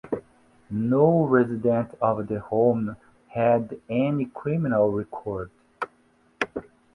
No resident of the home had any criminal record.